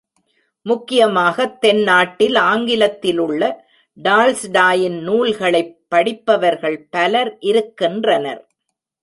முக்கியமாகத் தென்னாட்டில் ஆங்கிலத்திலுள்ள டால்ஸ்டாயின் நூல்களைப் படிப்பவர்கள் பலர் இருக்கின்றனர்.